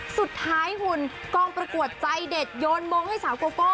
สุดท้ายหุ่นกองประกวดใจเด็ดโยนมงให้สาวโกโก้